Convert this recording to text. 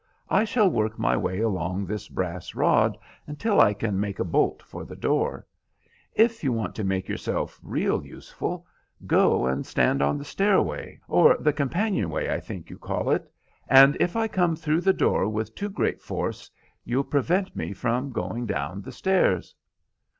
I shall work my way along this brass rod until I can make a bolt for the door. If you want to make yourself real useful, go and stand on the stairway, or the companion way I think you call it, and if I come through the door with too great force you'll prevent me from going down the stairs."